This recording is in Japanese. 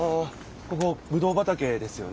ここぶどう畑ですよね？